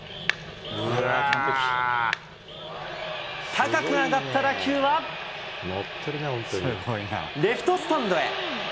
高く上がった打球はレフトスタンドへ。